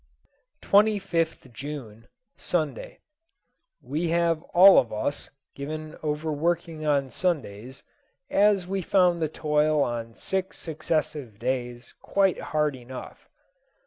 25th June, Sunday. We have all of us, given over working on Sundays, as we found the toil on six successive days quite hard enough.